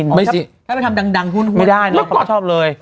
ให้มันทำดังหุ้นหัวนะครับแล้วก็ชอบเลยแล้วก็ชอบเลย